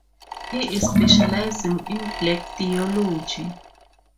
He is specialising in black theology.